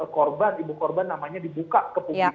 korban ibu korban namanya dibuka ke publik